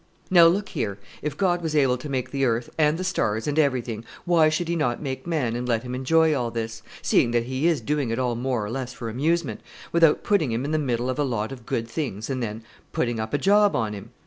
"Now look here; if God was able to make the earth, and the stars, and everything, why should He not make man and let him enjoy all this seeing that He is doing it all more or less for amusement without putting him in the middle of a lot of good things and then putting up a job on him?